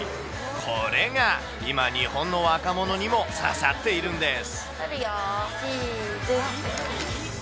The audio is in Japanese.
これが今、日本の若者にも刺さっているんです。